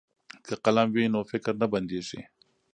که قلم وي نو فکر نه بندیږي.